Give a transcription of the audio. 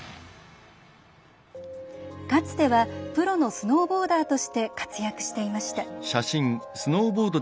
かつてはプロのスノーボーダーとして活躍していました。